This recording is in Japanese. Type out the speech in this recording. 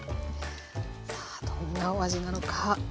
さあどんなお味なのか。